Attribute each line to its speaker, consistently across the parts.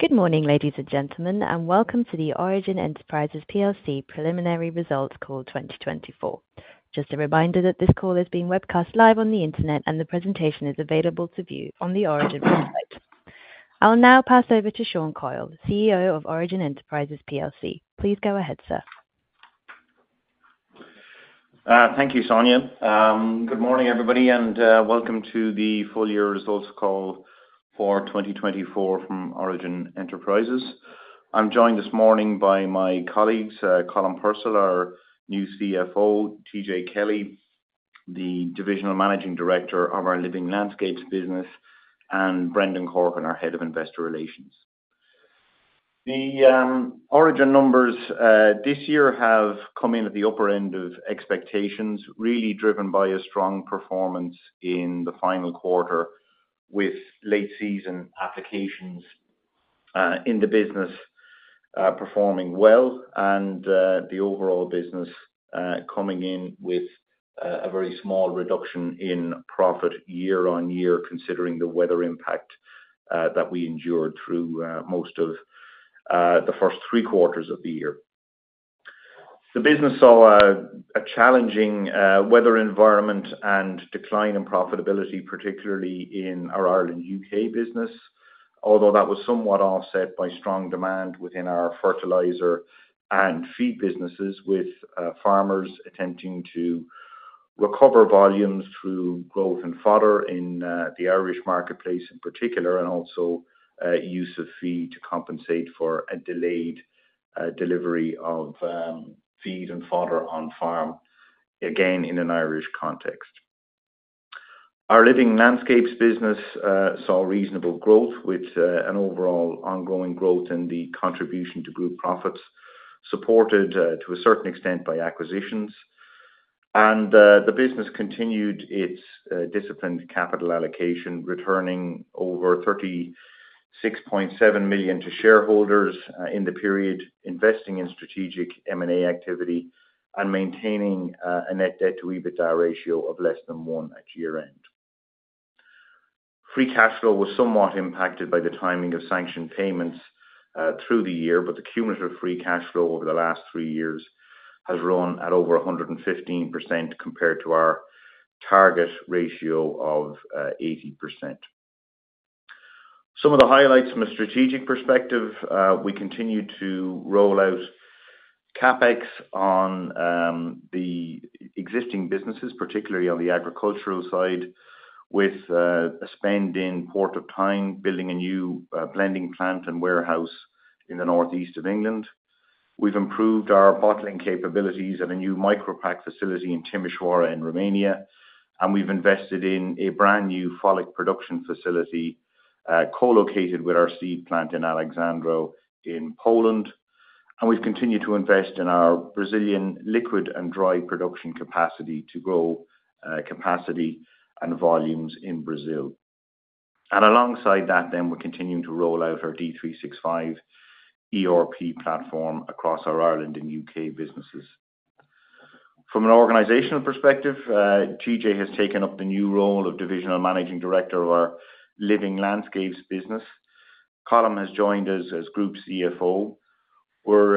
Speaker 1: Good morning, ladies and gentlemen, and welcome to the Origin Enterprises PLC preliminary results call 2024. Just a reminder that this call is being webcast live on the internet, and the presentation is available to view on the Origin website. I'll now pass over to Sean Coyle, CEO of Origin Enterprises PLC. Please go ahead, sir.
Speaker 2: Thank you, Sonia. Good morning, everybody, and welcome to the full year results call for twenty twenty-four from Origin Enterprises. I'm joined this morning by my colleagues, Colm Purcell, our new CFO, TJ Kelly, the Divisional Managing Director of our Living Landscapes business, and Brendan Corcoran, our Head of Investor Relations. The Origin numbers this year have come in at the upper end of expectations, really driven by a strong performance in the final quarter, with late season applications in the business performing well and the overall business coming in with a very small reduction in profit year-on-year, considering the weather impact that we endured through most of the first three quarters of the year. The business saw a challenging weather environment and decline in profitability, particularly in our Ireland, UK business, although that was somewhat offset by strong demand within our fertilizer and feed businesses with farmers attempting to recover volumes through growth and fodder in the Irish marketplace in particular, and also use of feed to compensate for a delayed delivery of feed and fodder on farm, again, in an Irish context. Our Living Landscapes business saw reasonable growth with an overall ongoing growth in the contribution to group profits, supported to a certain extent by acquisitions. The business continued its disciplined capital allocation, returning over 36.7 million to shareholders in the period, investing in strategic M&A activity and maintaining a net debt to EBITDA ratio of less than one at year-end. Free cash flow was somewhat impacted by the timing of sanction payments through the year, but the cumulative free cash flow over the last three years has grown at over 115% compared to our target ratio of 80%. Some of the highlights from a strategic perspective, we continue to roll out CapEx on the existing businesses, particularly on the agricultural side, with a spend in Port of Tyne, building a new blending plant and warehouse in the Northeast of England. We've improved our bottling capabilities at a new Micropack facility in Timișoara in Romania, and we've invested in a brand new FoliQ production facility, co-located with our seed plant in Aleksandrów, in Poland, and we've continued to invest in our Brazilian liquid and dry production capacity to grow capacity and volumes in Brazil. And alongside that, then we're continuing to roll out our D365 ERP platform across our Ireland and UK businesses. From an organizational perspective, TJ has taken up the new role of Divisional Managing Director of our Living Landscapes business. Colm has joined us as Group CFO. We're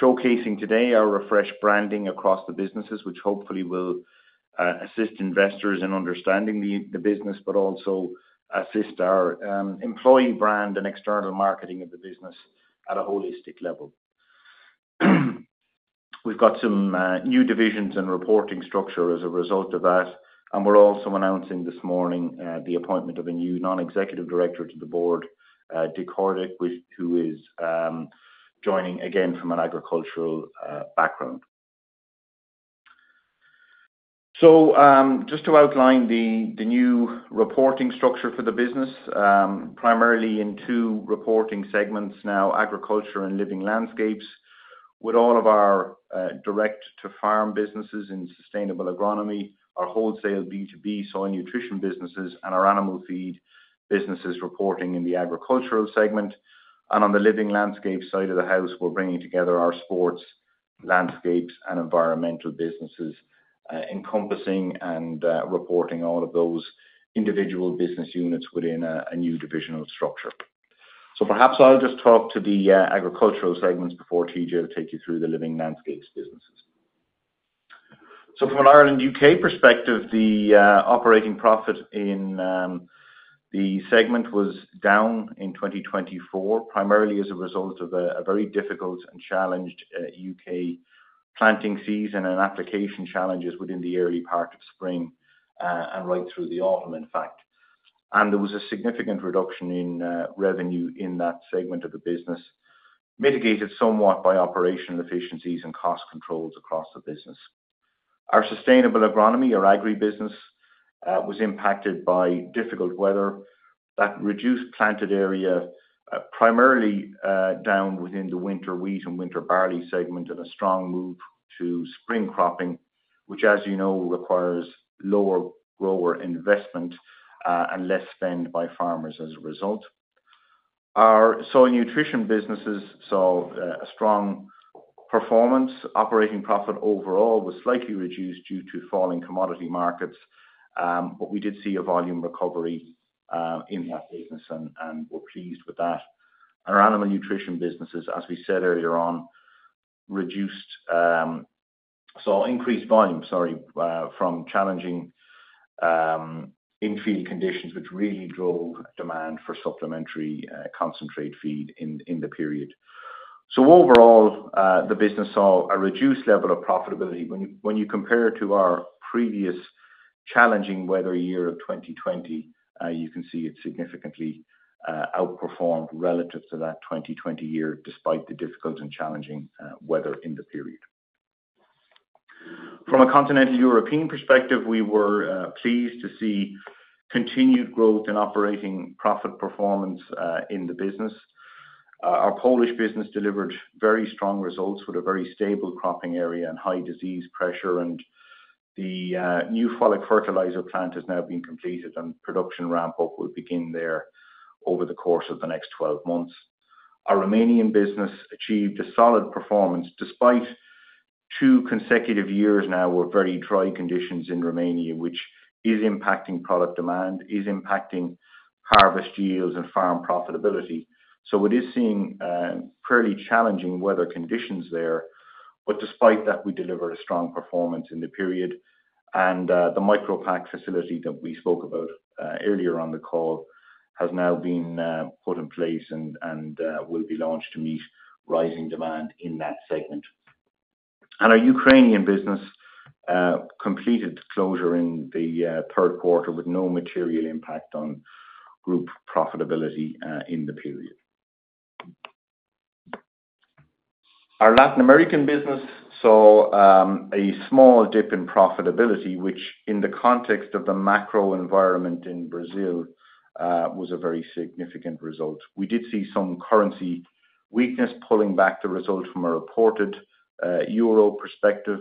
Speaker 2: showcasing today our refreshed branding across the businesses, which hopefully will assist investors in understanding the business, but also assist our employee brand and external marketing of the business at a holistic level. We've got some new divisions and reporting structure as a result of that, and we're also announcing this morning the appointment of a new non-executive director to the board, Dick Hordijk, who is joining again from an agricultural background. So, just to outline the new reporting structure for the business, primarily in two reporting segments now, Agriculture and Living Landscapes, with all of our direct-to-farm businesses in sustainable agronomy, our wholesale B2B soil nutrition businesses, and our animal feed businesses reporting in the agricultural segment. And on the Living Landscapes side of the house, we're bringing together our sports, landscapes, and environmental businesses, encompassing and reporting all of those individual business units within a new divisional structure. So perhaps I'll just talk to the agricultural segments before TJ will take you through the Living Landscapes businesses. From an Ireland, UK perspective, the operating profit in the segment was down in twenty twenty-four, primarily as a result of a very difficult and challenged UK planting season and application challenges within the early part of spring and right through the autumn, in fact. There was a significant reduction in revenue in that segment of the business, mitigated somewhat by operational efficiencies and cost controls across the business. Our sustainable agronomy or Agrii business was impacted by difficult weather that reduced planted area primarily down within the winter wheat and winter barley segment, and a strong move to spring cropping, which, as you know, requires lower grower investment and less spend by farmers as a result. Our soil nutrition businesses saw a strong-... Performance, operating profit overall was slightly reduced due to falling commodity markets, but we did see a volume recovery in that business and we're pleased with that. Our animal nutrition businesses, as we said earlier on, saw increased volume, sorry, from challenging in-field conditions, which really drove demand for supplementary concentrate feed in the period. So overall, the business saw a reduced level of profitability. When you compare it to our previous challenging weather year of 2020, you can see it significantly outperformed relative to that 2020 year, despite the difficult and challenging weather in the period. From a Continental European perspective, we were pleased to see continued growth in operating profit performance in the business. Our Polish business delivered very strong results with a very stable cropping area and high disease pressure, and the new FoliQ fertilizer plant has now been completed, and production ramp-up will begin there over the course of the next twelve months. Our Romanian business achieved a solid performance, despite two consecutive years now, with very dry conditions in Romania, which is impacting product demand, harvest yields and farm profitability, so it is seeing fairly challenging weather conditions there, but despite that, we delivered a strong performance in the period, and the Micropack facility that we spoke about earlier on the call has now been put in place and will be launched to meet rising demand in that segment. Our Ukrainian business completed the closure in the third quarter with no material impact on group profitability in the period. Our Latin American business saw a small dip in profitability, which in the context of the macro environment in Brazil was a very significant result. We did see some currency weakness pulling back the result from a reported euro perspective.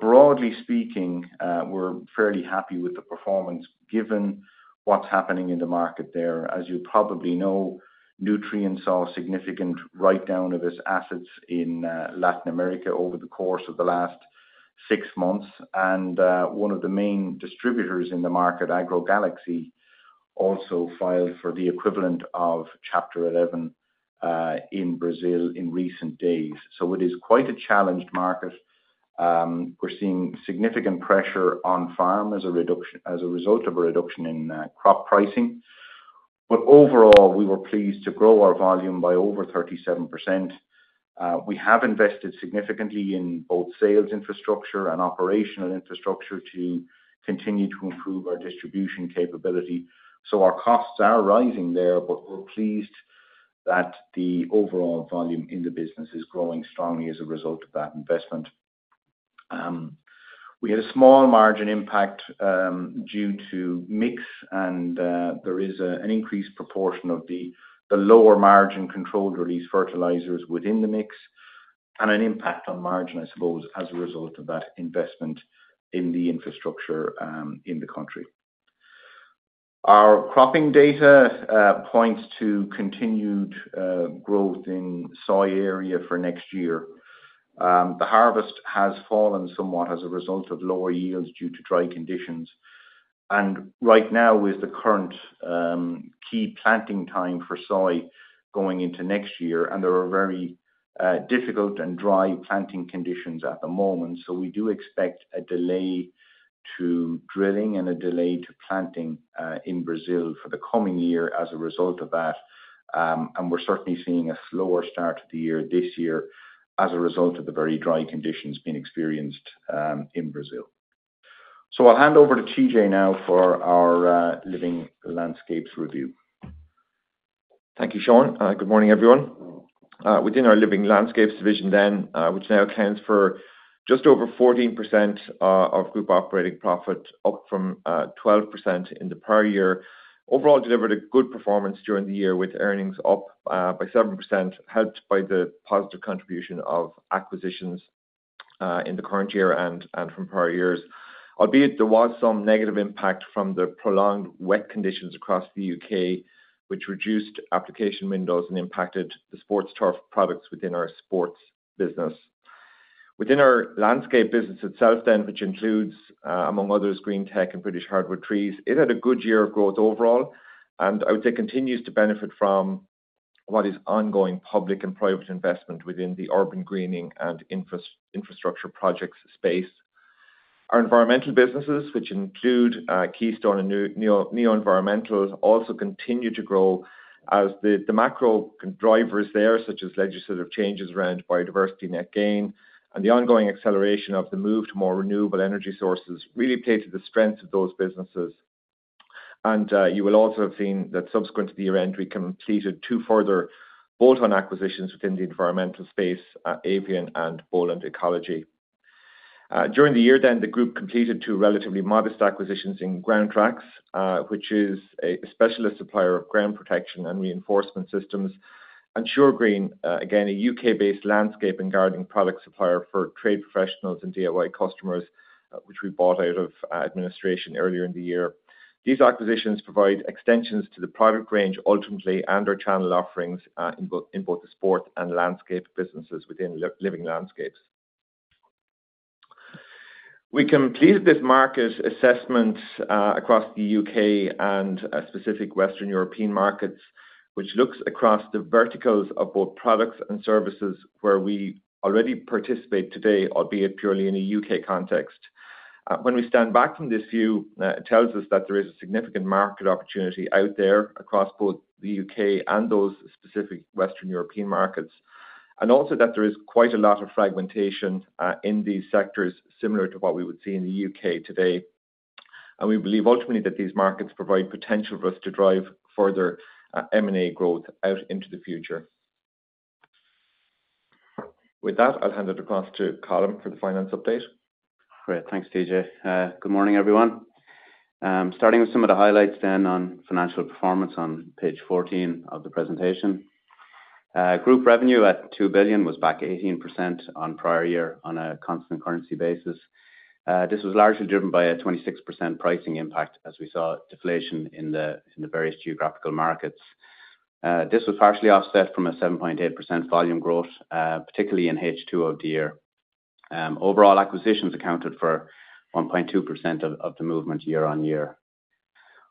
Speaker 2: Broadly speaking, we're fairly happy with the performance given what's happening in the market there. As you probably know, Nutrien saw a significant write-down of its assets in Latin America over the course of the last six months, and one of the main distributors in the market, AgroGalaxy, also filed for the equivalent of Chapter 11 in Brazil in recent days. It is quite a challenged market. We're seeing significant pressure on farm as a result of a reduction in crop pricing, but overall, we were pleased to grow our volume by over 37%. We have invested significantly in both sales infrastructure and operational infrastructure to continue to improve our distribution capability, so our costs are rising there, but we're pleased that the overall volume in the business is growing strongly as a result of that investment. We had a small margin impact due to mix, and there is an increased proportion of the lower margin controlled release fertilizers within the mix, and an impact on margin, I suppose, as a result of that investment in the infrastructure in the country. Our cropping data points to continued growth in soy area for next year. The harvest has fallen somewhat as a result of lower yields due to dry conditions. And right now, with the current, key planting time for soy going into next year, and there are very difficult and dry planting conditions at the moment. So we do expect a delay to drilling and a delay to planting in Brazil for the coming year as a result of that. And we're certainly seeing a slower start to the year this year as a result of the very dry conditions being experienced in Brazil. So I'll hand over to TJ now for our Living Landscapes review.
Speaker 3: Thank you, Sean. Good morning, everyone. Within our Living Landscapes division then, which now accounts for just over 14% of group operating profit, up from 12% in the prior year, overall delivered a good performance during the year, with earnings up by 7%, helped by the positive contribution of acquisitions in the current year and from prior years. Albeit, there was some negative impact from the prolonged wet conditions across the UK, which reduced application windows and impacted the sports turf products within our sports business. Within our landscape business itself then, which includes, among others, Green-tech and British Hardwood Trees, it had a good year of growth overall, and I would say continues to benefit from what is ongoing public and private investment within the urban greening and infrastructure projects space. Our environmental businesses, which include Keystone and Neo Environmental, also continue to grow as the macro drivers there, such as legislative changes around biodiversity net gain and the ongoing acceleration of the move to more renewable energy sources, really play to the strengths of those businesses. And you will also have seen that subsequent to the year-end, we completed two further bolt-on acquisitions within the environmental space, Avian Ecology and Bowland Ecology. During the year then, the group completed two relatively modest acquisitions in Groundtrax, which is a specialist supplier of ground protection and reinforcement systems, and Suregreen, again, a UK-based landscape and gardening product supplier for trade professionals and DIY customers, which we bought out of administration earlier in the year. These acquisitions provide extensions to the product range, ultimately, and our channel offerings, in both the sport and landscape businesses within Living Landscapes. We completed this market assessment, across the UK and specific Western European markets, which looks across the verticals of both products and services where we already participate today, albeit purely in a UK context. When we stand back from this view, it tells us that there is a significant market opportunity out there across both the UK and those specific Western European markets, and also that there is quite a lot of fragmentation, in these sectors, similar to what we would see in the UK today, and we believe ultimately that these markets provide potential for us to drive further, M&A growth out into the future. With that, I'll hand it across to Colm for the finance update.
Speaker 4: Great. Thanks, TJ. Good morning, everyone. Starting with some of the highlights then on financial performance on page 14 of the presentation. Group revenue at €2 billion was back 18% on prior year on a constant currency basis. This was largely driven by a 26% pricing impact, as we saw deflation in the various geographical markets. This was partially offset from a 7.8% volume growth, particularly in H2 of the year. Overall, acquisitions accounted for 1.2% of the movement year-on-year.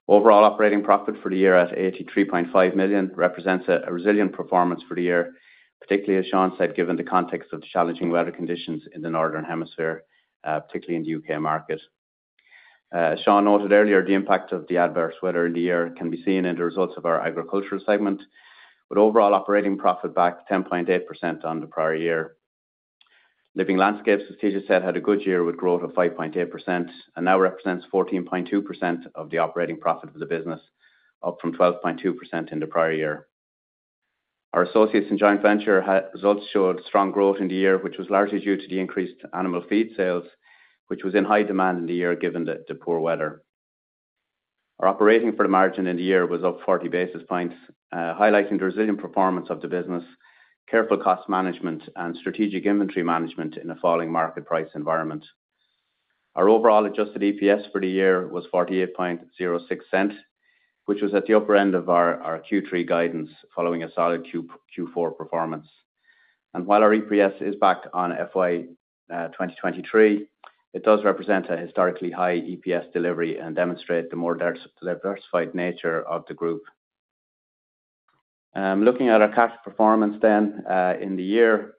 Speaker 4: Overall operating profit for the year at €83.5 million represents a resilient performance for the year, particularly, as Sean said, given the context of the challenging weather conditions in the Northern Hemisphere, particularly in the UK market. Sean noted earlier, the impact of the adverse weather in the year can be seen in the results of our agricultural segment, with overall operating profit back 10.8% on the prior year. Living Landscapes, as TJ said, had a good year with growth of 5.8%, and now represents 14.2% of the operating profit of the business, up from 12.2% in the prior year. Our associates and joint venture results showed strong growth in the year, which was largely due to the increased animal feed sales, which was in high demand in the year, given the poor weather. Our operating margin for the year was up 40 basis points, highlighting the resilient performance of the business, careful cost management, and strategic inventory management in a falling market price environment. Our overall adjusted EPS for the year was 0.4806, which was at the upper end of our Q3 guidance, following a solid Q4 performance. While our EPS is back on FY 2023, it does represent a historically high EPS delivery and demonstrate the more diversified nature of the group. Looking at our cash performance then, in the year,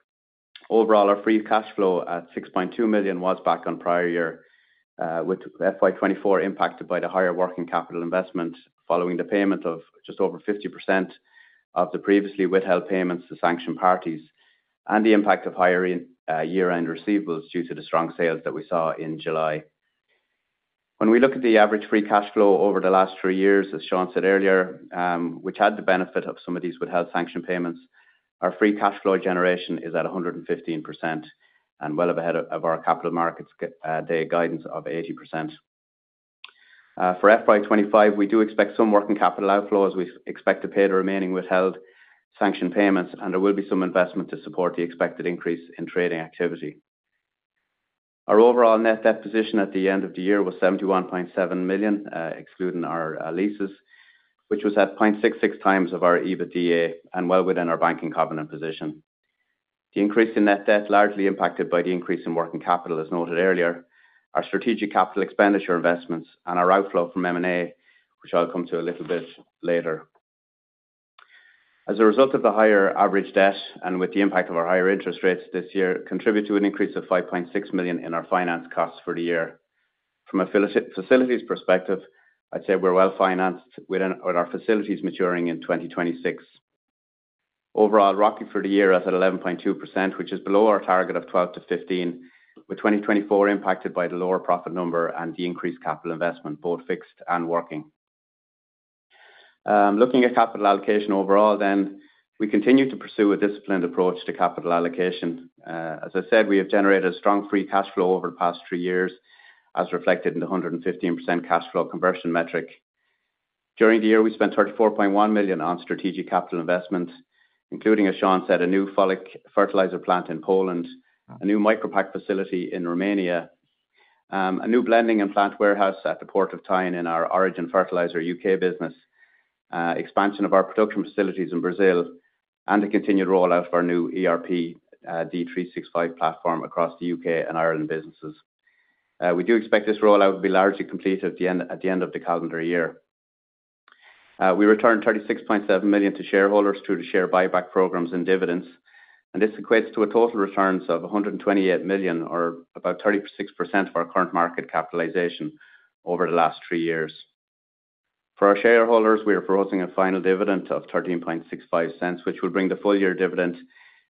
Speaker 4: overall, our free cash flow at 6.2 million was back on prior year, with FY 2024 impacted by the higher working capital investment, following the payment of just over 50% of the previously withheld payments to sanctioned parties, and the impact of higher year-end receivables, due to the strong sales that we saw in July. When we look at the average free cash flow over the last three years, as Sean said earlier, which had the benefit of some of these withheld sanction payments, our free cash flow generation is at 115%, and well ahead of our Capital Markets Day guidance of 80%. For FY 2025, we do expect some working capital outflow, as we expect to pay the remaining withheld sanction payments, and there will be some investment to support the expected increase in trading activity. Our overall net debt position at the end of the year was 71.7 million, excluding our leases, which was at 0.66 times of our EBITDA and well within our banking covenant position. The increase in net debt largely impacted by the increase in working capital, as noted earlier, our strategic capital expenditure investments and our outflow from M&A, which I'll come to a little bit later. As a result of the higher average debt and with the impact of our higher interest rates this year, contribute to an increase of 5.6 million in our finance costs for the year. From a facilities perspective, I'd say we're well financed with our facilities maturing in 2026. Overall, ROCE for the year is at 11.2%, which is below our target of 12%-15%, with 2024 impacted by the lower profit number and the increased capital investment, both fixed and working. Looking at capital allocation overall then, we continue to pursue a disciplined approach to capital allocation. As I said, we have generated a strong free cash flow over the past three years, as reflected in the 115% cash flow conversion metric. During the year, we spent €34.1 million on strategic capital investments, including, as Sean said, a new FoliQ fertilizer plant in Poland, a new Micropack facility in Romania, a new blending plant and warehouse at the Port of Tyne in our Origin Fertilisers UK business, expansion of our production facilities in Brazil, and a continued rollout of our new ERP, D365 platform across the UK and Ireland businesses. We do expect this rollout to be largely completed at the end of the calendar year. We returned 36.7 million to shareholders through the share buyback programs and dividends, and this equates to a total returns of 128 million, or about 36% of our current market capitalization over the last three years. For our shareholders, we are proposing a final dividend of 0.1365, which will bring the full year dividend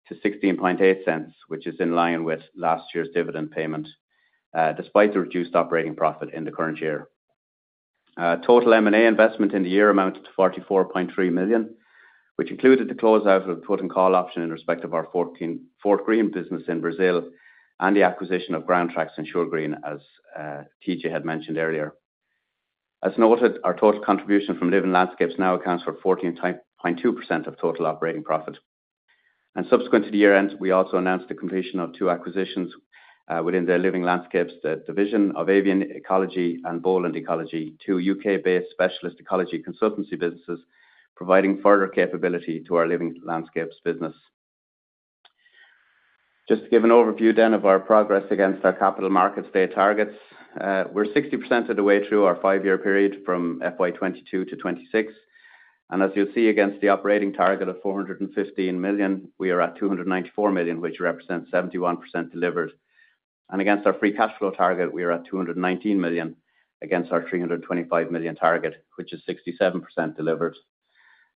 Speaker 4: to 0.168, which is in line with last year's dividend payment, despite the reduced operating profit in the current year. Total M&A investment in the year amounted to 44.3 million, which included the closeout of the put and call option in respect of our Fortgreen business in Brazil and the acquisition of Groundtrax and Suregreen, as TJ had mentioned earlier. As noted, our total contribution from Living Landscapes now accounts for 14.2% of total operating profit, and subsequent to the year end, we also announced the completion of two acquisitions within the Living Landscapes division of Avian Ecology and Bowland Ecology, two UK-based specialist ecology consultancy businesses, providing further capability to our Living Landscapes business. Just to give an overview then of our progress against our Capital Markets Day targets. We're 60% of the way through our five-year period from FY 2022 to 2026, and as you'll see against the operating target of 415 million, we are at 294 million, which represents 71% delivered. And against our free cash flow target, we are at 219 million against our 325 million target, which is 67% delivered.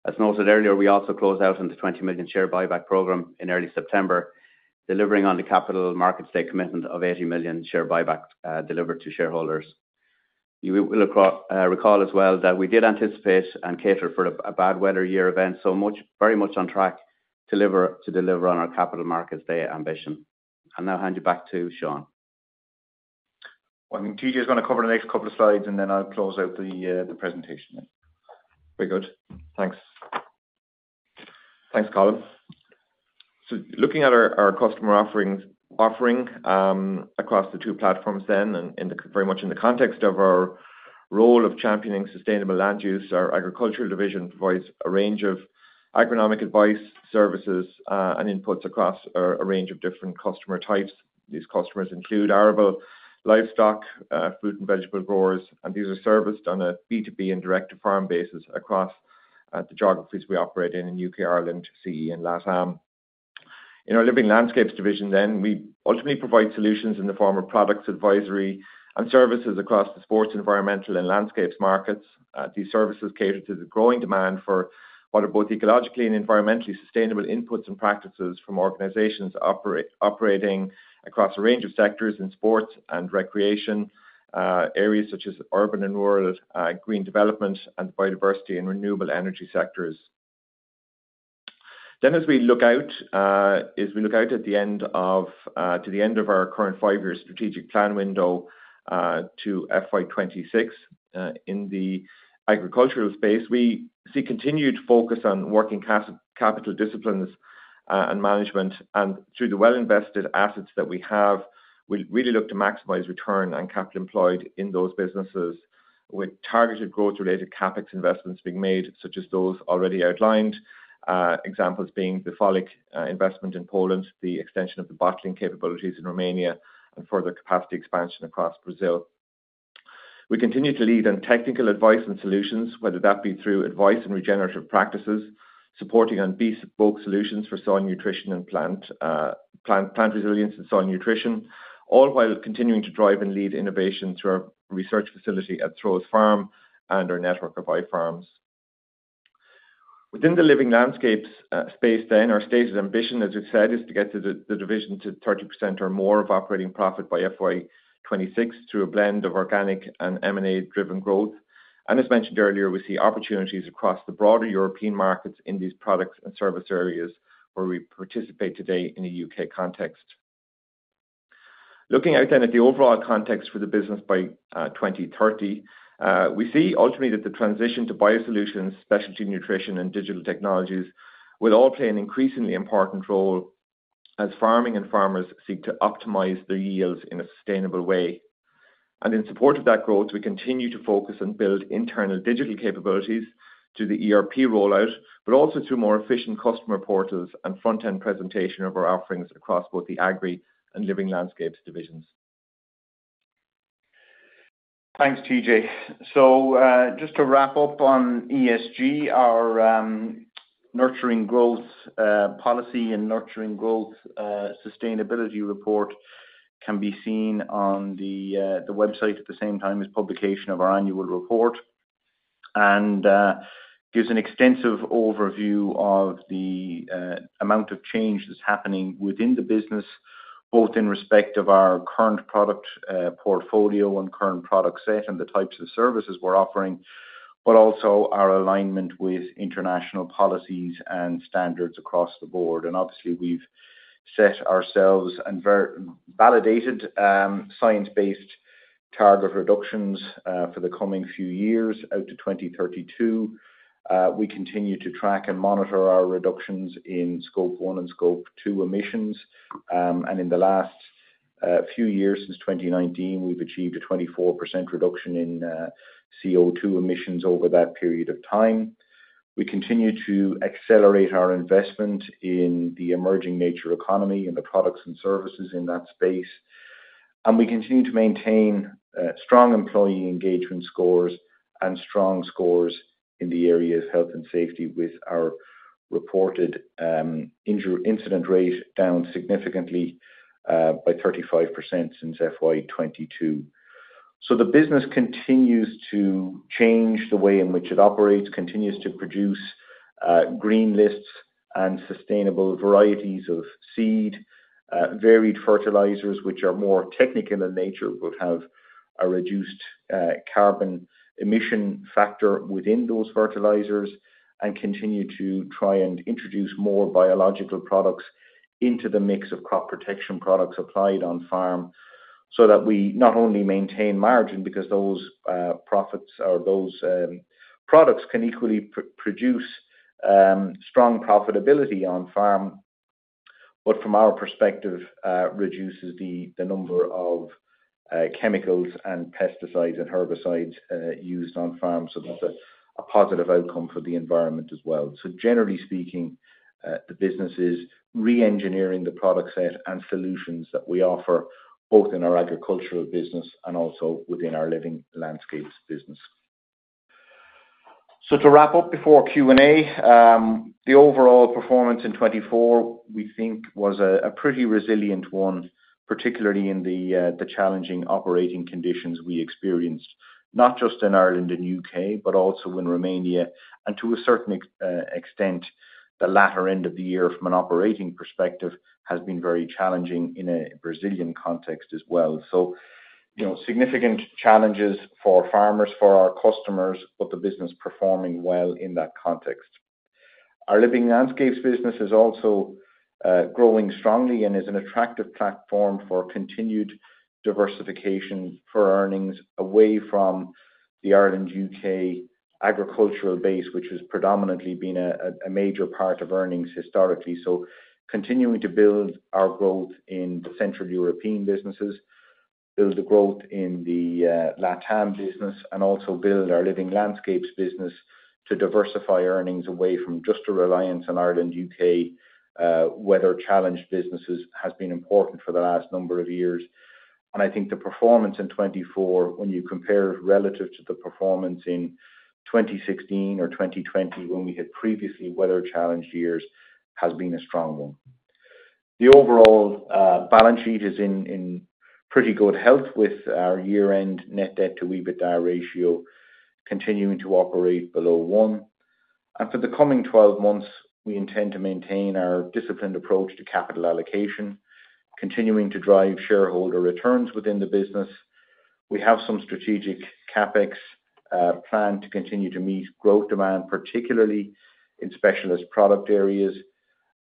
Speaker 4: As noted earlier, we also closed out on the 20 million share buyback program in early September, delivering on the Capital Markets Day commitment of 80 million share buyback, delivered to shareholders. You will recall as well that we did anticipate and cater for a bad weather year event, so very much on track to deliver on our Capital Markets Day ambition. I'll now hand you back to Sean.
Speaker 2: I mean, TJ's gonna cover the next couple of slides, and then I'll close out the presentation.
Speaker 3: Very good. Thanks. Thanks, Colm. So looking at our customer offerings across the two platforms then, and very much in the context of our role of championing sustainable land use, our agricultural division provides a range of agronomic advice, services, and inputs across a range of different customer types. These customers include arable, livestock, fruit and vegetable growers, and these are serviced on a B2B and direct-to-farm basis across the geographies we operate in, in UK, Ireland, CE, and LATAM. In our Living Landscapes division, then we ultimately provide solutions in the form of products, advisory, and services across the sports, environmental, and landscapes markets. These services cater to the growing demand for what are both ecologically and environmentally sustainable inputs and practices from organizations operating across a range of sectors in sport and recreation, areas such as urban and rural, green development, and biodiversity and renewable energy sectors. Then, as we look out to the end of our current five-year strategic plan window to FY 2026, in the agricultural space, we see continued focus on working capital disciplines and management, and through the well-invested assets that we have, we really look to maximize return on capital employed in those businesses with targeted growth-related CapEx investments being made, such as those already outlined. Examples being the FoliQ investment in Poland, the extension of the bottling capabilities in Romania, and further capacity expansion across Brazil. We continue to lead on technical advice and solutions, whether that be through advice and regenerative practices, supporting and bespoke solutions for soil nutrition and plant resilience and soil nutrition, all while continuing to drive and lead innovation through our research facility at Throws Farm and our network of iFarms. Within the Living Landscapes space then, our stated ambition, as we've said, is to get to the division to 30% or more of operating profit by FY 2026, through a blend of organic and M&A-driven growth. And as mentioned earlier, we see opportunities across the broader European markets in these products and service areas where we participate today in a UK context. Looking out then at the overall context for the business by 2030, we see ultimately that the transition to biosolutions, specialty nutrition, and digital technologies will all play an increasingly important role as farming and farmers seek to optimize their yields in a sustainable way. And in support of that growth, we continue to focus and build internal digital capabilities through the ERP rollout, but also through more efficient customer portals and front-end presentation of our offerings across both the Agri and Living Landscapes divisions.
Speaker 4: Thanks, TJ. So, just to wrap up on ESG, our Nurturing Growth policy and Nurturing Growth sustainability report can be seen on the website at the same time as publication of our annual report, and gives an extensive overview of the amount of change that's happening within the business, both in respect of our current product portfolio and current product set and the types of services we're offering, but also our alignment with international policies and standards across the board. Obviously, we've set ourselves and validated science-based target reductions for the coming few years out to 2032. We continue to track and monitor our reductions in Scope 1 and Scope 2 emissions. And in the last few years, since 2019, we've achieved a 24% reduction in CO2 emissions over that period of time. We continue to accelerate our investment in the emerging nature economy and the products and services in that space. And we continue to maintain strong employee engagement scores and strong scores in the areas of health and safety with our reported injury incident rate down significantly by 35% since FY 2022. The business continues to change the way in which it operates, continues to produce green lists and sustainable varieties of seed, varied fertilizers, which are more technical in nature, but have a reduced carbon emission factor within those fertilizers, and continue to try and introduce more biological products into the mix of crop protection products applied on farm, so that we not only maintain margin, because those profits or those products can equally produce strong profitability on farm, but from our perspective, reduces the number of chemicals and pesticides and herbicides used on farms, so that's a positive outcome for the environment as well. Generally speaking, the business is reengineering the product set and solutions that we offer, both in our agricultural business and also within our Living Landscapes business. So to wrap up before Q&A, the overall performance in 2024, we think was a pretty resilient one, particularly in the challenging operating conditions we experienced, not just in Ireland and UK, but also in Romania, and to a certain extent, the latter end of the year from an operating perspective, has been very challenging in a Brazilian context as well. You know, significant challenges for farmers, for our customers, but the business performing well in that context. Our Living Landscapes business is also growing strongly and is an attractive platform for continued diversification for earnings away from the Ireland, UK agricultural base, which has predominantly been a major part of earnings historically. Continuing to build our growth in the Central European businesses, build the growth in the LatAm business, and also build our Living Landscapes business to diversify earnings away from just a reliance on Ireland, UK, weather-challenged businesses, has been important for the last number of years. I think the performance in 2024, when you compare it relative to the performance in 2016 or 2020, when we had previously weather-challenged years, has been a strong one. The overall balance sheet is in, in pretty good health with our year-end net debt to EBITDA ratio continuing to operate below one. For the coming twelve months, we intend to maintain our disciplined approach to capital allocation, continuing to drive shareholder returns within the business. We have some strategic CapEx planned to continue to meet growth demand, particularly in specialist product areas,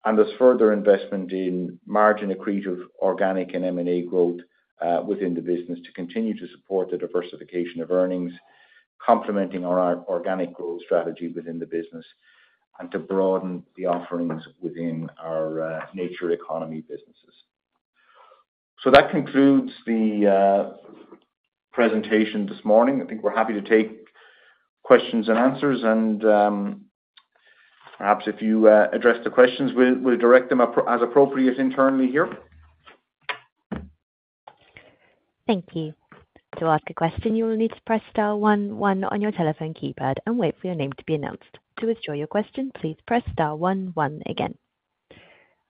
Speaker 4: and there's further investment in margin accretive, organic and M&A growth within the business to continue to support the diversification of earnings, complementing our organic growth strategy within the business and to broaden the offerings within our nature economy businesses. So that concludes the presentation this morning. I think we're happy to take questions and answers and perhaps if you address the questions, we'll direct them as appropriate internally here.
Speaker 1: Thank you. To ask a question, you will need to press star one one on your telephone keypad and wait for your name to be announced. To withdraw your question, please press star one one again.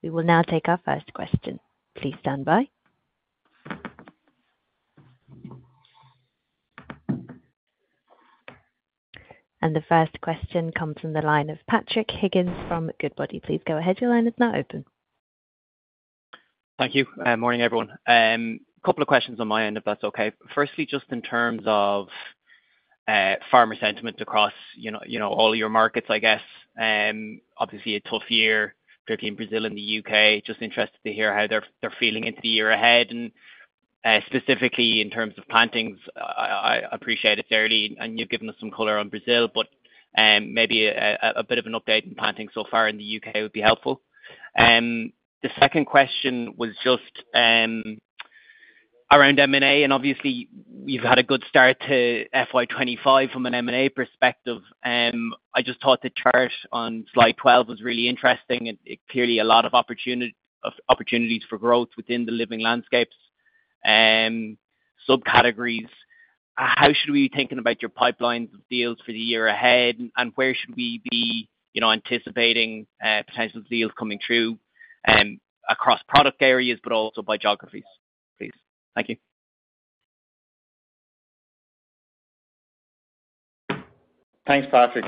Speaker 1: We will now take our first question. Please stand by. And the first question comes from the line of Patrick Higgins from Goodbody. Please go ahead. Your line is now open.
Speaker 5: Thank you. Morning, everyone. Couple of questions on my end, if that's okay. Firstly, just in terms of farmer sentiment across, you know, all your markets, I guess. Obviously a tough year, particularly in Brazil and the UK. Just interested to hear how they're feeling into the year ahead, and specifically in terms of plantings. I appreciate it's early, and you've given us some color on Brazil, but maybe a bit of an update on planting so far in the UK would be helpful. The second question was just around M&A, and obviously you've had a good start to FY 2025 from an M&A perspective. I just thought the chart on slide 12 was really interesting, and it clearly a lot of opportunities for growth within the Living Landscapes subcategories. How should we be thinking about your pipeline of deals for the year ahead, and where should we be, you know, anticipating, potential deals coming through, across product areas but also by geographies, please? Thank you.
Speaker 2: Thanks, Patrick.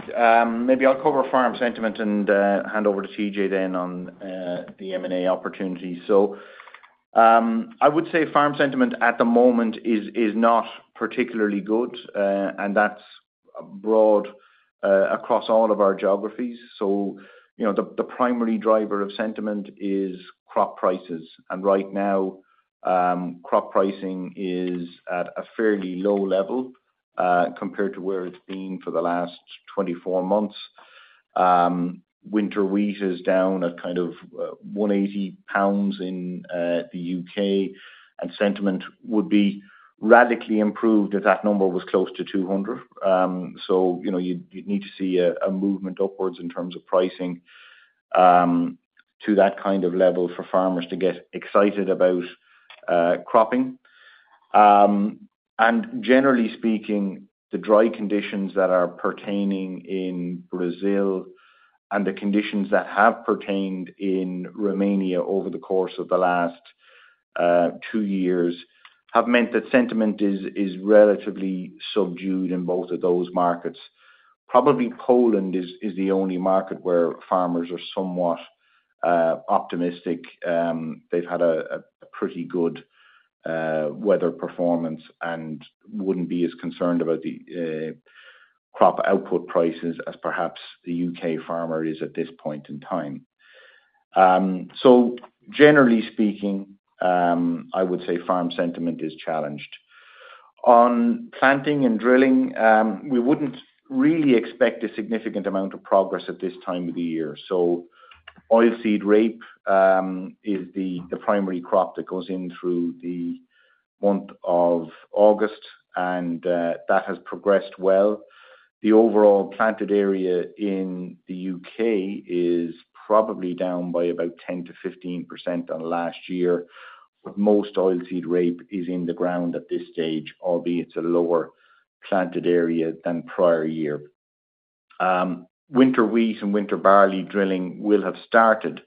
Speaker 2: Maybe I'll cover farm sentiment and hand over to TJ then on the M&A opportunity. I would say farm sentiment at the moment is not particularly good, and that's broad across all of our geographies. You know, the primary driver of sentiment is crop prices, and right now crop pricing is at a fairly low level compared to where it's been for the last 24 months. Winter wheat is down at kind of 180 pounds in the UK, and sentiment would be radically improved if that number was close to 200. You know, you'd need to see a movement upwards in terms of pricing to that kind of level for farmers to get excited about cropping. And generally speaking, the dry conditions that are pertaining in Brazil and the conditions that have pertained in Romania over the course of the last two years have meant that sentiment is relatively subdued in both of those markets. Probably Poland is the only market where farmers are somewhat optimistic. They've had a pretty good weather performance and wouldn't be as concerned about the crop output prices as perhaps the UK farmer is at this point in time. So generally speaking, I would say farm sentiment is challenged on planting and drilling. We wouldn't really expect a significant amount of progress at this time of the year. So oilseed rape is the primary crop that goes in through the month of August, and that has progressed well. The overall planted area in the UK is probably down by about 10-15% on last year, but most oilseed rape is in the ground at this stage, albeit it's a lower planted area than prior year. Winter wheat and winter barley drilling will have started,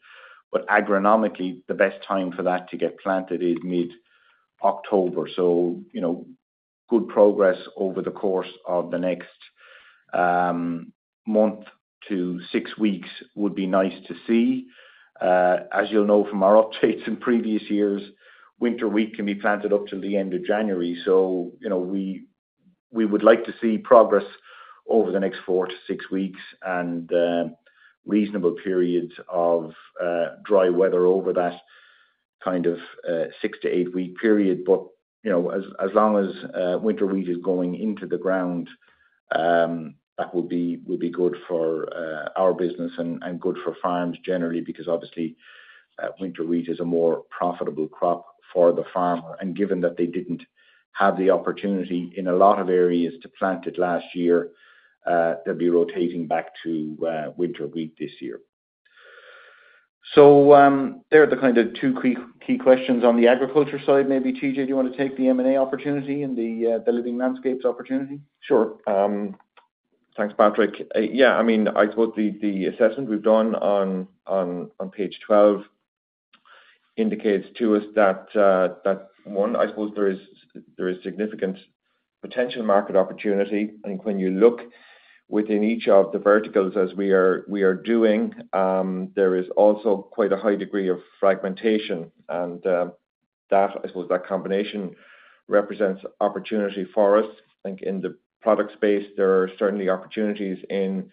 Speaker 2: but agronomically, the best time for that to get planted is mid-October. So, you know, good progress over the course of the next month to six weeks would be nice to see. As you'll know from our updates in previous years, winter wheat can be planted up till the end of January. So, you know, we would like to see progress over the next 4-6 weeks and reasonable periods of dry weather over that kind of 6-8-week period. But, you know, as long as winter wheat is going into the ground, that will be good for our business and good for farms generally, because obviously winter wheat is a more profitable crop for the farmer. And given that they didn't have the opportunity in a lot of areas to plant it last year, they'll be rotating back to winter wheat this year. So, there are the kind of two key questions on the agriculture side. Maybe, TJ, do you want to take the M&A opportunity and the Living Landscapes opportunity?
Speaker 3: Sure. Thanks, Patrick. Yeah, I mean, I thought the assessment we've done on page 12 indicates to us that there is significant potential market opportunity, and when you look within each of the verticals as we are doing, there is also quite a high degree of fragmentation, and that, I suppose that combination represents opportunity for us. I think in the product space, there are certainly opportunities in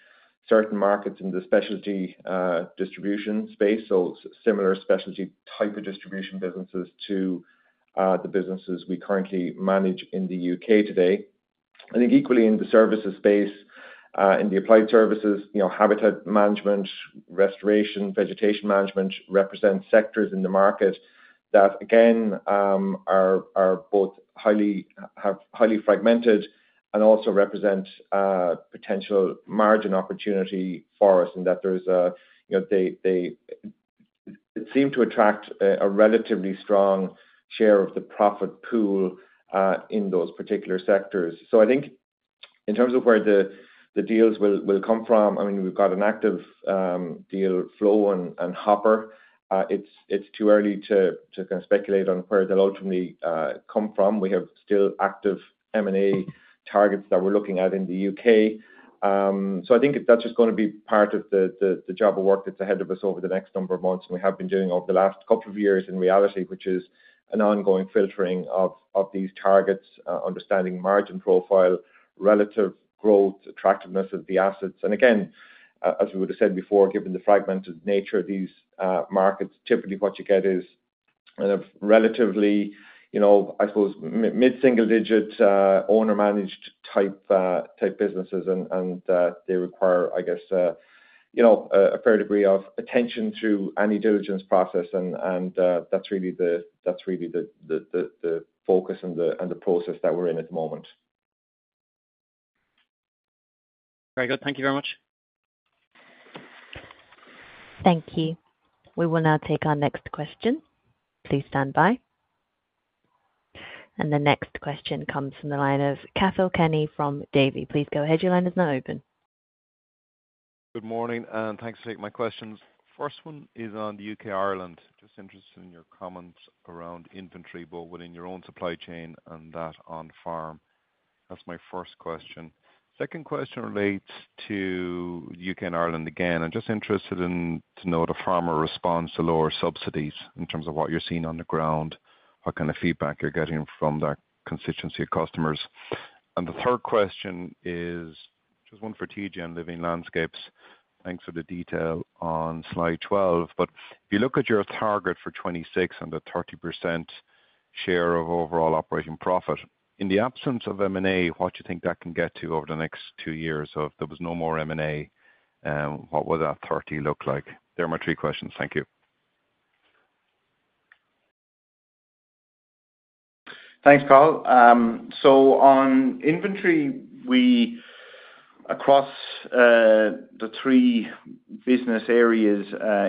Speaker 3: certain markets, in the specialty distribution space, so similar specialty type of distribution businesses to the businesses we currently manage in the UK today. I think equally in the services space, in the applied services, you know, habitat management, restoration, vegetation management represent sectors in the market that again, are both highly fragmented and also represent potential margin opportunity for us, and that there's a, you know, they seem to attract a relatively strong share of the profit pool in those particular sectors. So I think in terms of where the deals will come from, I mean, we've got an active deal flow and hopper. It's too early to kind of speculate on where they'll ultimately come from. We have still active M&A targets that we're looking at in the UK. So I think that's just gonna be part of the job of work that's ahead of us over the next number of months, and we have been doing over the last couple of years, in reality, which is an ongoing filtering of these targets, understanding margin profile, relative growth, attractiveness of the assets. And again, as we would have said before, given the fragmented nature of these markets, typically what you get is a relatively, you know, I suppose, mid-single digit owner-managed type businesses, and they require, I guess, you know, a fair degree of attention through any diligence process, and that's really the focus and the process that we're in at the moment.
Speaker 5: Very good. Thank you very much.
Speaker 1: Thank you. We will now take our next question. Please stand by, and the next question comes from the line of Cathal Kenny from Davy. Please go ahead. Your line is now open.
Speaker 6: Good morning, and thanks for taking my questions. First one is on the UK, Ireland. Just interested in your comments around inventory, both within your own supply chain and that on farm. That's my first question. Second question relates to UK and Ireland again. I'm just interested in to know the farmer response to lower subsidies in terms of what you're seeing on the ground, what kind of feedback you're getting from that constituency of customers. And the third question is just one for TJ on Living Landscapes. Thanks for the detail on slide 12, but if you look at your target for 2026 and the 30% share of overall operating profit, in the absence of M&A, what do you think that can get to over the next two years if there was no more M&A, what would that thirty look like? They are my three questions. Thank you.
Speaker 3: Thanks, Cathal. So on inventory, we across the three business areas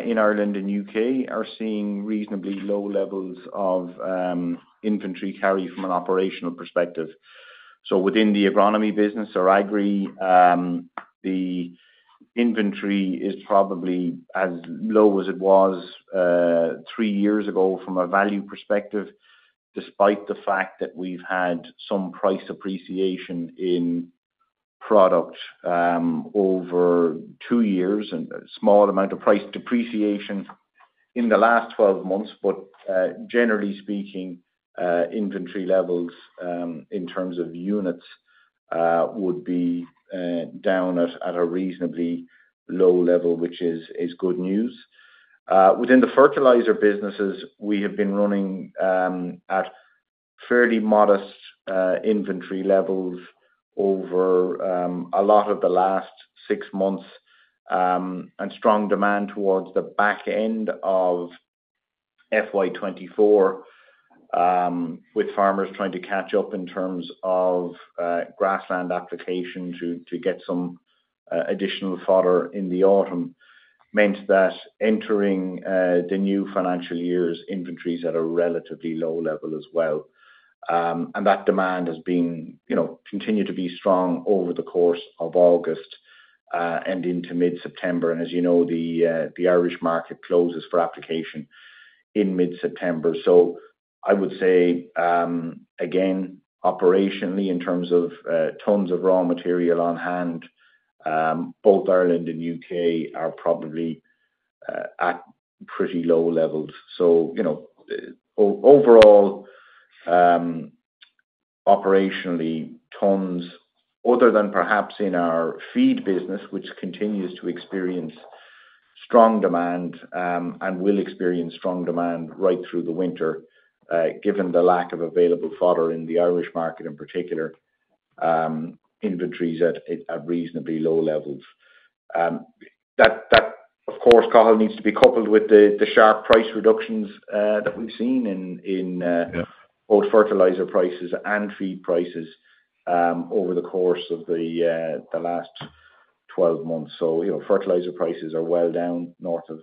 Speaker 3: in Ireland and UK are seeing reasonably low levels of inventory carry from an operational perspective. So within the agronomy business, or Agri, the inventory is probably as low as it was three years ago from a value perspective, despite the fact that we've had some price appreciation in product over two years and a small amount of price depreciation in the last twelve months. But, generally speaking, inventory levels in terms of units-... would be down at a reasonably low level, which is good news. Within the fertilizer businesses, we have been running at fairly modest inventory levels over a lot of the last six months, and strong demand towards the back end of FY 2024, with farmers trying to catch up in terms of grassland application to get some additional fodder in the autumn, meant that entering the new financial year's inventories at a relatively low level as well. And that demand has been, you know, continued to be strong over the course of August and into mid-September. And as you know, the Irish market closes for application in mid-September. So I would say, again, operationally, in terms of, tons of raw material on hand, both Ireland and UK are probably, at pretty low levels. So, you know, overall, operationally, tons, other than perhaps in our feed business, which continues to experience strong demand, and will experience strong demand right through the winter, given the lack of available fodder in the Irish market, in particular, inventory's at reasonably low levels. That, of course, Cathal, needs to be coupled with the sharp price reductions that we've seen in,... both fertilizer prices and feed prices over the course of the last twelve months. So, you know, fertilizer prices are well down, north of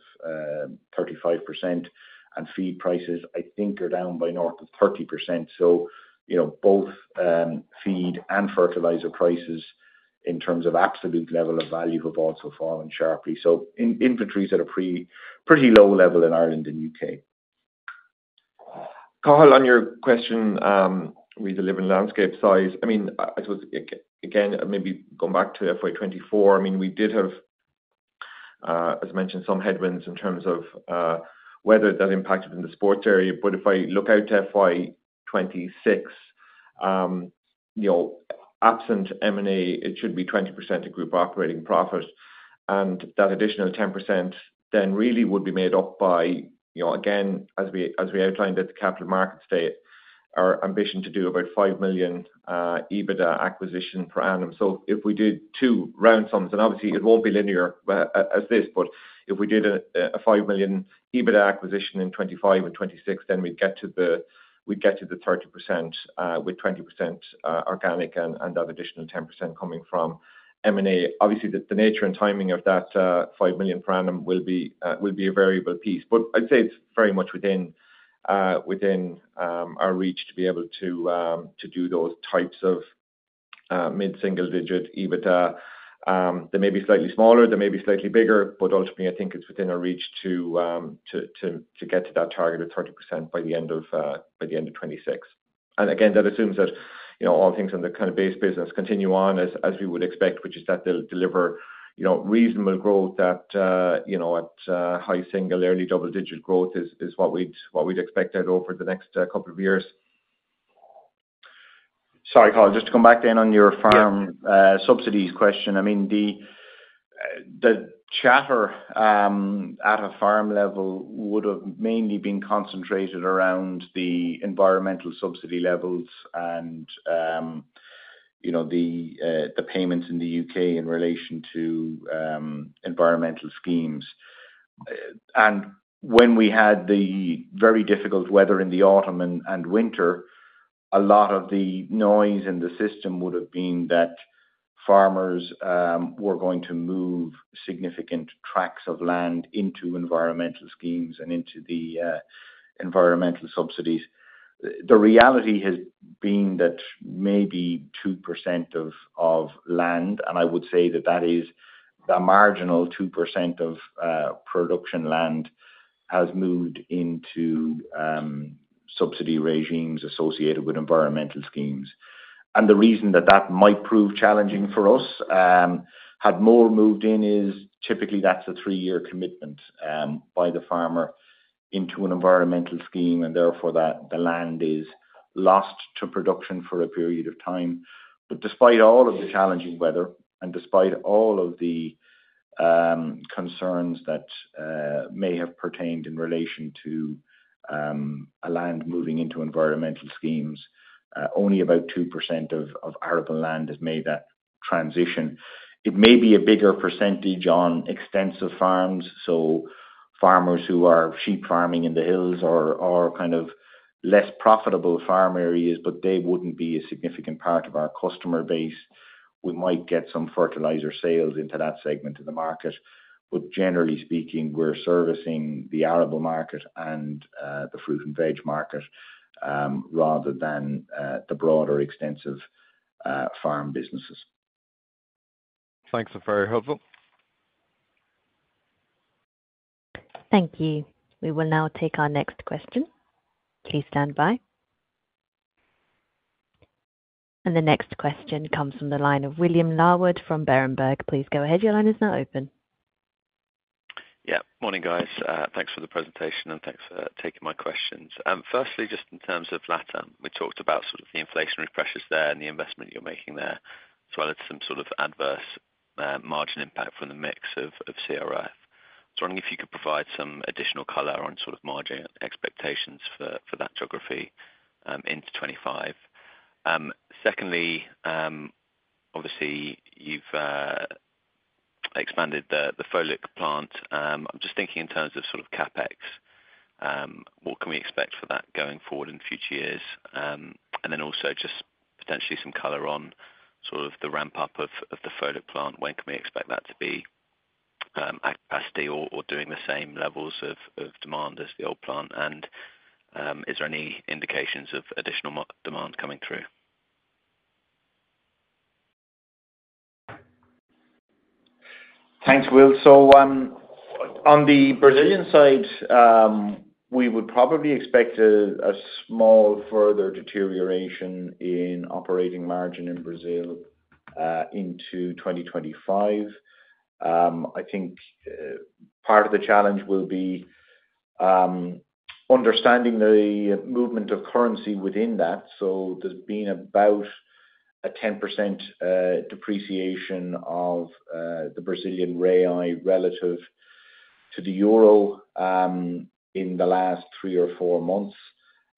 Speaker 3: 35%, and feed prices, I think, are down by north of 30%. So, you know, both feed and fertilizer prices, in terms of absolute level of value, have also fallen sharply. So inventories are at a pretty low level in Ireland and UK. Cathal, on your question, with the Living Landscapes size, I mean, I suppose again, maybe going back to FY 2024, I mean, we did have, as mentioned, some headwinds in terms of weather that impacted in the sports area. But if I look out to FY 2026, you know, absent M&A, it should be 20% of group operating profit. That additional 10% then really would be made up by, you know, again, as we, as we outlined at the Capital Markets Day, our ambition to do about €5 million EBITDA acquisition per annum. So if we did two round sums, and obviously it won't be linear, as this, but if we did a, a €5 million EBITDA acquisition in 2025 and 2026, then we'd get to the, we'd get to the 30%, with 20% organic and, and that additional 10% coming from M&A. Obviously, the, the nature and timing of that, €5 million per annum will be, will be a variable piece, but I'd say it's very much within, within, our reach to be able to, to do those types of, mid-single digit EBITDA. They may be slightly smaller, they may be slightly bigger, but ultimately, I think it's within our reach to get to that target of 30% by the end of 2026. And again, that assumes that, you know, all things on the kind of base business continue on as we would expect, which is that they'll deliver, you know, reasonable growth at high single, early double-digit growth is what we'd expect there over the next couple of years.
Speaker 2: Sorry, Cathal, just to come back then on your farm-... subsidies question. I mean, the chatter at a farm level would've mainly been concentrated around the environmental subsidy levels and, you know, the payments in the UK in relation to environmental schemes. And when we had the very difficult weather in the autumn and winter, a lot of the noise in the system would've been that farmers were going to move significant tracts of land into environmental schemes and into the environmental subsidies. The reality has been that maybe 2% of land, and I would say that is the marginal 2% of production land, has moved into subsidy regimes associated with environmental schemes. And the reason that that might prove challenging for us, had more moved in, is typically that's a three-year commitment by the farmer into an environmental scheme, and therefore, that the land is lost to production for a period of time. But despite all of the challenging weather, and despite all of the concerns that may have pertained in relation to a land moving into environmental schemes, only about 2% of arable land has made that transition. It may be a bigger percentage on extensive farms, so farmers who are sheep farming in the hills or kind of less profitable farm areas, but they wouldn't be a significant part of our customer base. We might get some fertilizer sales into that segment of the market, but generally speaking, we're servicing the arable market and the fruit and veg market, rather than the broader, extensive farm businesses.
Speaker 4: Thanks, that was very helpful.
Speaker 1: Thank you. We will now take our next question. Please stand by, and the next question comes from the line of William Larwood from Berenberg. Please go ahead. Your line is now open. ...
Speaker 7: Yeah, morning, guys. Thanks for the presentation, and thanks for taking my questions. Firstly, just in terms of LatAm, we talked about sort of the inflationary pressures there and the investment you're making there, as well as some sort of adverse margin impact from the mix of CRF. I was wondering if you could provide some additional color on sort of margin expectations for that geography into 2025? Secondly, obviously, you've expanded the FoliQ plant. I'm just thinking in terms of sort of CapEx, what can we expect for that going forward in future years? And then also just potentially some color on sort of the ramp-up of the FoliQ plant. When can we expect that to be at capacity or doing the same levels of demand as the old plant? Is there any indications of additional demand coming through?
Speaker 2: Thanks, Will. So on the Brazilian side, we would probably expect a small further deterioration in operating margin in Brazil into 2025. I think part of the challenge will be understanding the movement of currency within that. So there's been about a 10% depreciation of the Brazilian real relative to the euro in the last three or four months.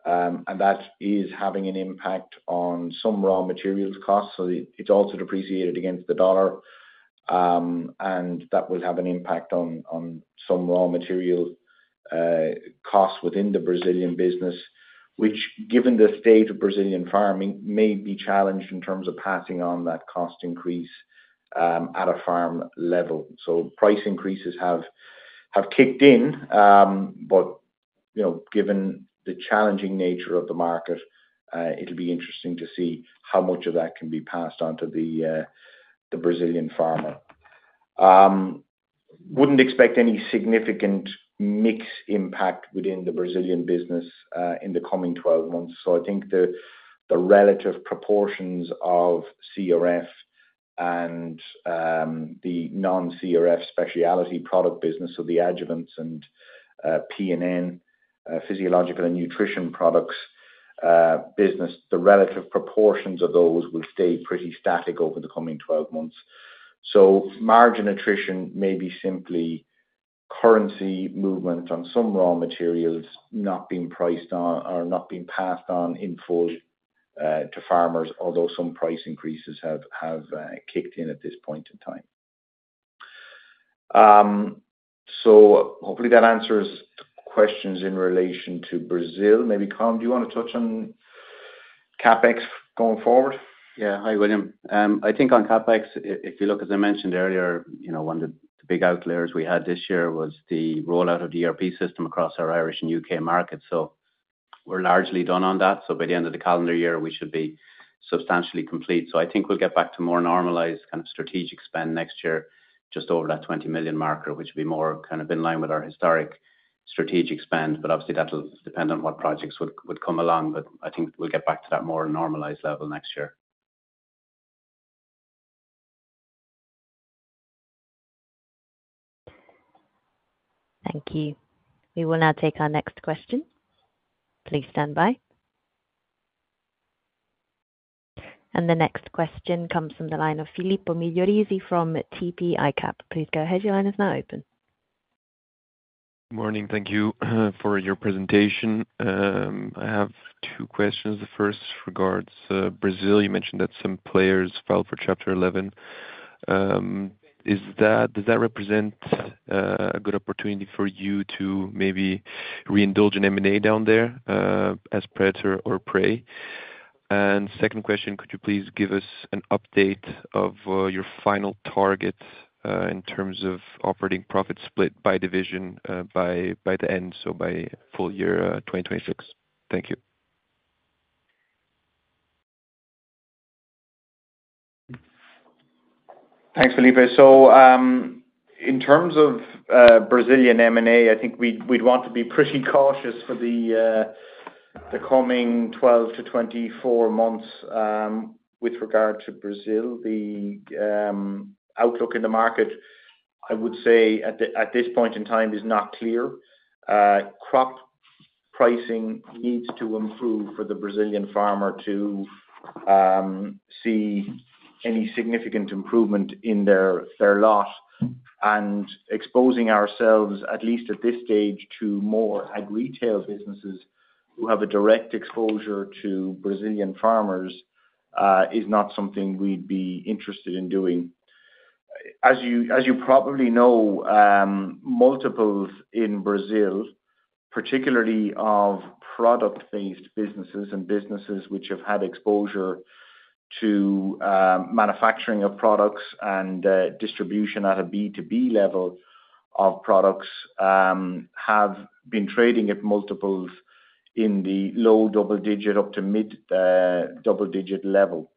Speaker 2: And that is having an impact on some raw materials costs, so it's also depreciated against the dollar. And that will have an impact on some raw material costs within the Brazilian business, which, given the state of Brazilian farming, may be challenged in terms of passing on that cost increase at a farm level. So price increases have kicked in, but, you know, given the challenging nature of the market, it'll be interesting to see how much of that can be passed on to the Brazilian farmer. Wouldn't expect any significant mix impact within the Brazilian business in the coming 12 months. So I think the relative proportions of CRF and the non-CRF specialty product business, so the adjuvants and P&N, physiological and nutrition products business, the relative proportions of those will stay pretty static over the coming 12 months. So margin attrition may be simply currency movement on some raw materials not being priced on or not being passed on in full to farmers, although some price increases have kicked in at this point in time. So hopefully that answers the questions in relation to Brazil. Maybe, Colm, do you want to touch on CapEx going forward?
Speaker 4: Yeah. Hi, William. I think on CapEx, if you look, as I mentioned earlier, you know, one of the big outliers we had this year was the rollout of the ERP system across our Irish and UK markets, so we're largely done on that. So by the end of the calendar year, we should be substantially complete. So I think we'll get back to more normalized kind of strategic spend next year, just over that $20 million marker, which will be more kind of in line with our historic strategic spend, but obviously that'll depend on what projects would come along. But I think we'll get back to that more normalized level next year.
Speaker 1: Thank you. We will now take our next question. Please stand by, and the next question comes from the line of Filippo Migliorisi from TP ICAP. Please go ahead. Your line is now open.
Speaker 8: Morning. Thank you for your presentation. I have two questions. The first regards Brazil. You mentioned that some players filed for Chapter 11. Does that represent a good opportunity for you to maybe reindulge in M&A down there as predator or prey? And second question, could you please give us an update of your final target in terms of operating profit split by division by the end, so by full year 2026? Thank you.
Speaker 2: Thanks, Filippo. So, in terms of Brazilian M&A, I think we'd want to be pretty cautious for the coming 12 to 24 months, with regard to Brazil. The outlook in the market, I would say, at this point in time, is not clear. Crop pricing needs to improve for the Brazilian farmer to see any significant improvement in their lot, and exposing ourselves, at least at this stage, to more ag retail businesses who have a direct exposure to Brazilian farmers, is not something we'd be interested in doing. As you probably know, multiples in Brazil, particularly of product-based businesses and businesses which have had exposure to manufacturing of products and distribution at a B2B level of products, have been trading at multiples in the low double digit up to mid double digit level.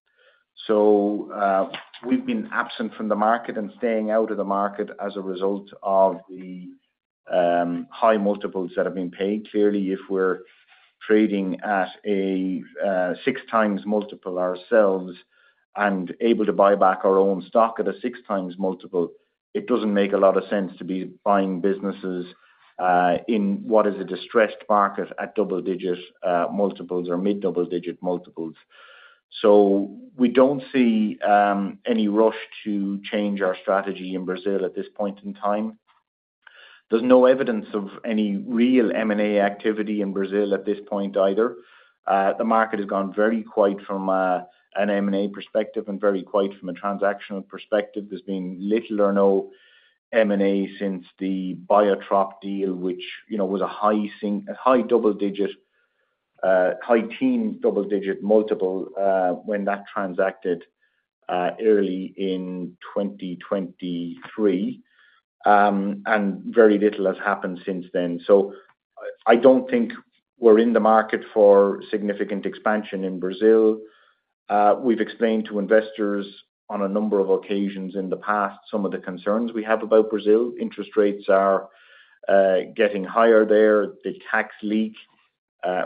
Speaker 2: So we've been absent from the market and staying out of the market as a result of the high multiples that have been paid. Clearly, if we're trading at a six times multiple ourselves and able to buy back our own stock at a six times multiple, it doesn't make a lot of sense to be buying businesses in what is a distressed market at double digit multiples or mid double digit multiples. So we don't see any rush to change our strategy in Brazil at this point in time. There's no evidence of any real M&A activity in Brazil at this point either. The market has gone very quiet from an M&A perspective and very quiet from a transactional perspective. There's been little or no M&A since the Biotrop deal, which, you know, was a high double digit, high teen double digit multiple, when that transacted, early in twenty twenty-three. And very little has happened since then. So I don't think we're in the market for significant expansion in Brazil. We've explained to investors on a number of occasions in the past, some of the concerns we have about Brazil. Interest rates are getting higher there. The tax leak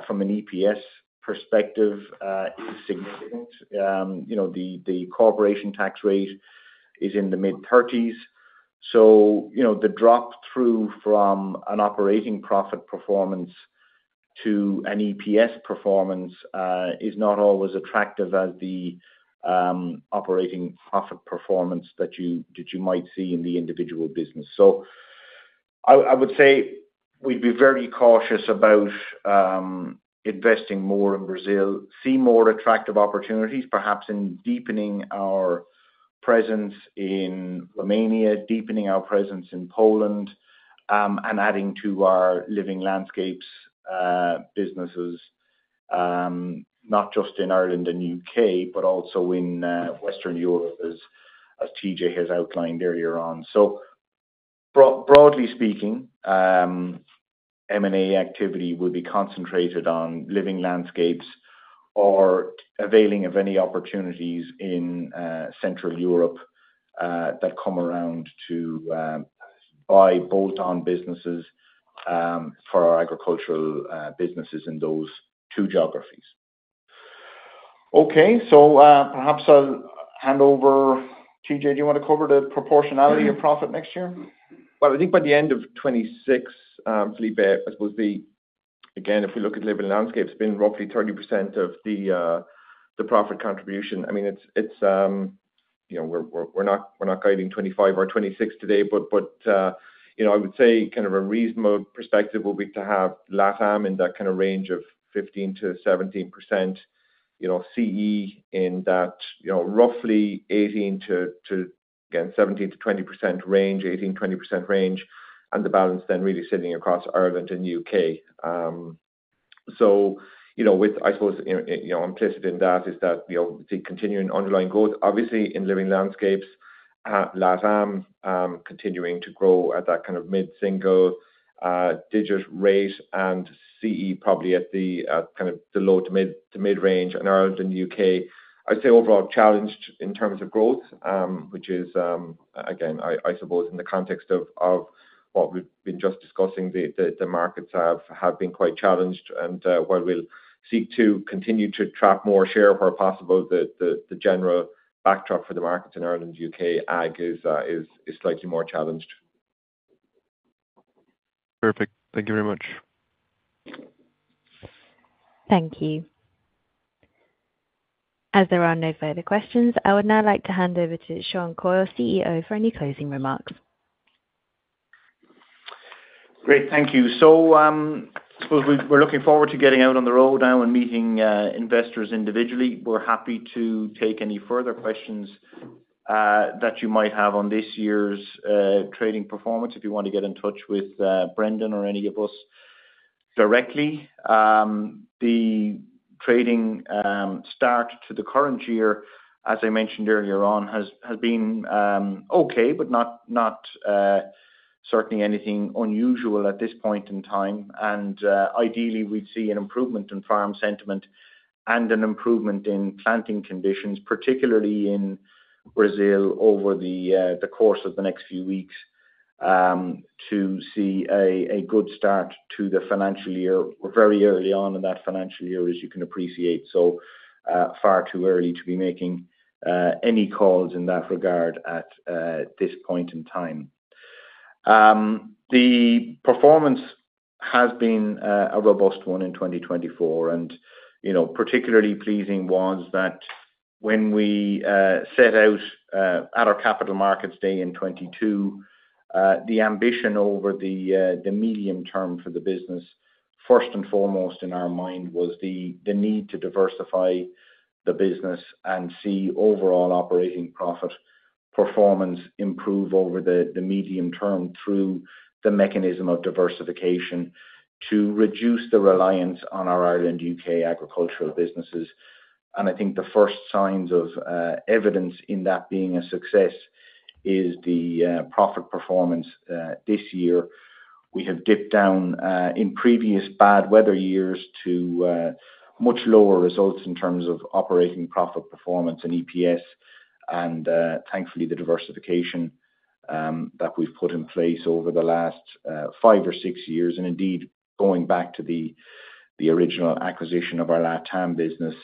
Speaker 2: from an EPS perspective is significant. You know, the corporation tax rate is in the mid-thirties, so, you know, the drop through from an operating profit performance to an EPS performance is not always attractive as the operating profit performance that you might see in the individual business. So I would say we'd be very cautious about investing more in Brazil. We see more attractive opportunities, perhaps in deepening our presence in Romania, deepening our presence in Poland, and adding to our Living Landscapes businesses, not just in Ireland and UK, but also in Western Europe, as TJ has outlined earlier on. So broadly speaking, M&A activity will be concentrated on Living Landscapes or availing of any opportunities in Central Europe that come our way to buy bolt-on businesses for our agricultural businesses in those two geographies. Okay, so, perhaps I'll hand over. TJ, do you want to cover the proportionality of profit next year?
Speaker 3: I think by the end of 2026, Filippo, I suppose. Again, if we look at Living Landscapes, it's been roughly 30% of the profit contribution. I mean, it's, you know, we're not guiding 2025 or 2026 today, but, you know, I would say kind of a reasonable perspective will be to have LatAm in that kind of range of 15%-17%, you know, CE in that, you know, roughly 18%-20% range, 17%-20% range, 18%-20% range, and the balance then really sitting across Ireland and UK. So, you know, with, I suppose, you know, implicit in that is that, you know, the continuing underlying growth, obviously, in Living Landscapes, LatAm, continuing to grow at that kind of mid-single-digit rate and CE probably at the kind of low- to mid-range. In Ireland and UK, I'd say overall challenged in terms of growth, which is, again, I suppose in the context of what we've been just discussing, the markets have been quite challenged, and while we'll seek to continue to capture more share where possible, the general backdrop for the markets in Ireland and UK ag is slightly more challenged.
Speaker 8: Perfect. Thank you very much.
Speaker 1: Thank you. As there are no further questions, I would now like to hand over to Sean Coyle, CEO, for any closing remarks.
Speaker 2: Great, thank you. So, I suppose we're looking forward to getting out on the road now and meeting investors individually. We're happy to take any further questions that you might have on this year's trading performance, if you want to get in touch with Brendan or any of us directly. The trading start to the current year, as I mentioned earlier on, has been okay, but certainly not anything unusual at this point in time. Ideally, we'd see an improvement in farm sentiment and an improvement in planting conditions, particularly in Brazil, over the course of the next few weeks to see a good start to the financial year. We're very early on in that financial year, as you can appreciate, so far too early to be making any calls in that regard at this point in time. The performance has been a robust one in 2024, and, you know, particularly pleasing was that when we set out at our Capital Markets Day in 2022, the ambition over the medium term for the business, first and foremost in our mind was the need to diversify the business and see overall operating profit performance improve over the medium term through the mechanism of diversification, to reduce the reliance on our Ireland, UK agricultural businesses, and I think the first signs of evidence in that being a success is the profit performance this year. We have dipped down in previous bad weather years to much lower results in terms of operating profit, performance and EPS, and thankfully, the diversification that we've put in place over the last five or six years, and indeed going back to the original acquisition of our LatAm business,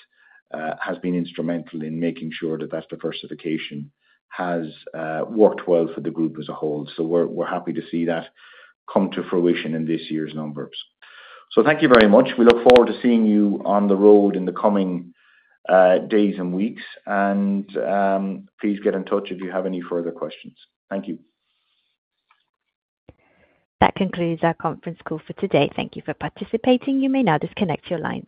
Speaker 2: has been instrumental in making sure that that diversification has worked well for the group as a whole, so we're happy to see that come to fruition in this year's numbers, so thank you very much. We look forward to seeing you on the road in the coming days and weeks, and please get in touch if you have any further questions. Thank you.
Speaker 1: That concludes our conference call for today. Thank you for participating. You may now disconnect your lines.